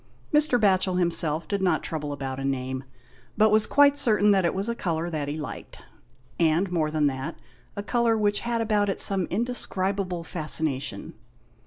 Mr. Batchel himself did not trouble about a name, but was quite certain that it was a colour that he liked; and more than that, a colour which had about it some indescribable fascination.